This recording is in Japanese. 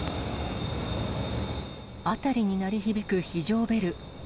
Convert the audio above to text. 辺りに鳴り響く非常ベル。